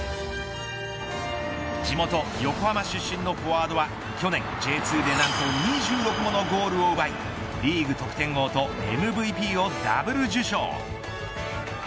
地元横浜出身のフォワードは去年Ｊ２で、何と２６ものゴールを奪いリーグ得点王とＭＶＰをダブル受賞。